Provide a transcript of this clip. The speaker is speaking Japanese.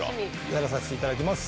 やらさしていただきます。